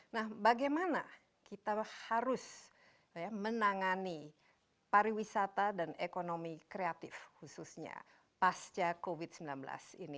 nah bagaimana kita harus menangani pariwisata dan ekonomi kreatif khususnya pasca covid sembilan belas ini